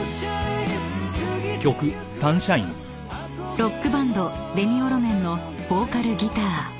［ロックバンドレミオロメンのボーカルギター］